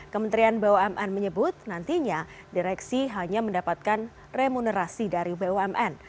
kementerian bumn menyebut nantinya direksi hanya mendapatkan remunerasi dari bumn